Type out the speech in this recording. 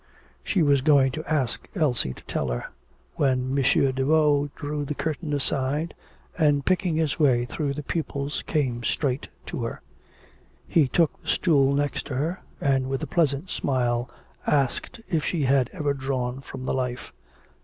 She was going to ask Elsie to tell her, when M. Daveau drew the curtain aside, and picking his way through the pupils, came straight to her. He took the stool next her, and with a pleasant smile asked if she had ever drawn from the life.